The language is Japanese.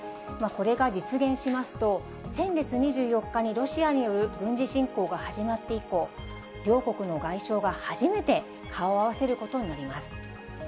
これが実現しますと、先月２４日にロシアによる軍事侵攻が始まって以降、両国の外相が初めて顔を合わせることになります。